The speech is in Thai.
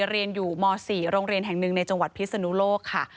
เรียนอยู่ง๔โรงเรียน๑ในจังหวัดพิษฎุงโลกค่ะ